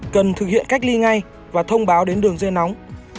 cần thực hiện cách ly ngay và thông báo đến đường dây nóng